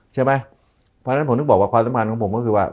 ใช่ไหมเพราะฉะนั้นผมถึงบอกว่าความสำคัญของผมก็คือว่า